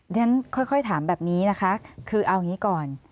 ฉันค่อยถามแบบนี้นะคะคือเอาอย่างนี้ก่อน